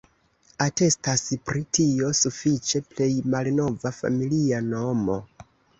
Atestas pri tio sufiĉe plej malnova familia nomo.